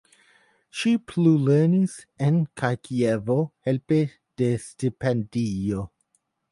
Ŝi plulernis en kaj Kievo helpe de stipendio.